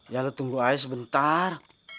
ya lu tunggu aja sebentar